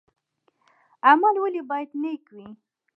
عمل ولې باید نیک وي؟